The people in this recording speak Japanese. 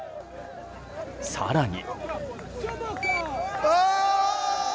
更に。